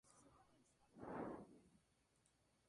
El tema de san Sebastián era popular por dos motivos.